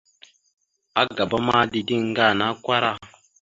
Agaba ma, dideŋ aŋga ana akwara.